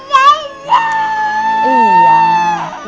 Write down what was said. masukin ke dalam